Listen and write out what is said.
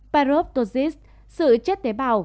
paroptosis sự chết tế bào